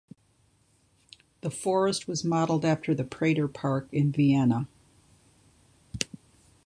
The forest was modelled after the Prater park in Vienna.